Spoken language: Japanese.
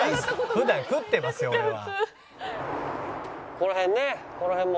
普段食ってますよ俺は。